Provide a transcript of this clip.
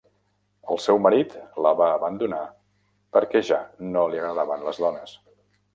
El seu marit la va abandonar perquè ja no li agradaven les dones.